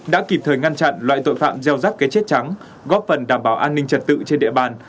đã kịp thời ngăn chặn loại tội phạm gieo ráp cái chết trắng góp phần đảm bảo an ninh trật tự trên địa bàn